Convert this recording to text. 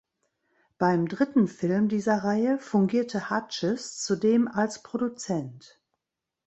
Beim dritten Film dieser Reihe fungierte Hughes zudem als Produzent.